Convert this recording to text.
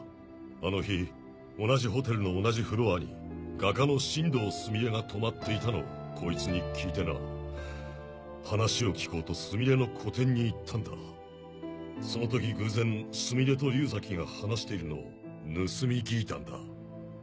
あの日同じホテルの同じフロアに画家の新堂すみれが泊まっていたのをこいつに聞いてな話を聞こうとすみれの個展に行ったんだその時偶然すみれと竜崎が話しているのを盗み聞いたんだ。